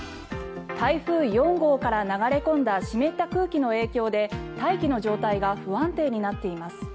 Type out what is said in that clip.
台風４号から流れ込んだ湿った空気の影響で大気の状態が不安定になっています。